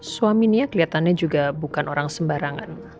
suaminya keliatannya juga bukan orang sembarangan